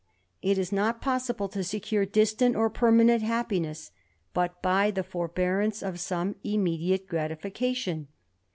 It is not possible to secure distant or permanent happiness but by the forbearance of some immediate gratification.